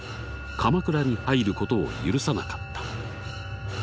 鎌倉に入ることを許さなかった。